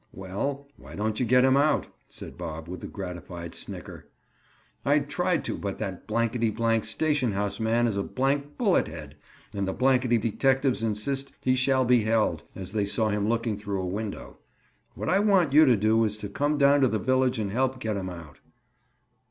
"Well, why don't you get him out?" said Bob with a gratified snicker. "I tried to, but that blankety blank station house man is a blank bullet head and the blankety detectives insist he shall be held, as they saw him looking through a window. What I want you to do is to come down to the village and help get him out."